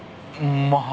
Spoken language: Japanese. まあ。